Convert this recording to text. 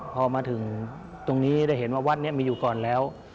พอมาถึงตรงนี้ได้เห็นว่าวัดนี้มีอยู่ก่อนแล้ว